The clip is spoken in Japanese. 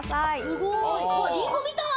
すごいリンゴみたい！